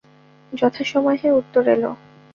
যথাসময়ে উত্তর এল।